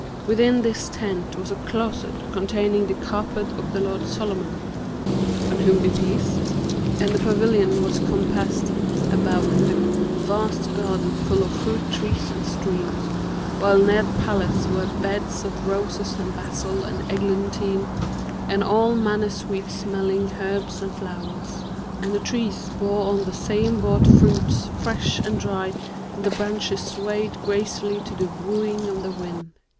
Within this tent was a closet containing the carpet of the lord Solomon (on whom be peace!); and the pavilion was compassed about with a vast garden full of fruit trees and streams; while near the palace were beds of roses and basil and eglantine and all manner sweet smelling herbs and flowers. And the trees bore on the same boughs fruits fresh and dry and the branches swayed gracefully to the wooing of the wind.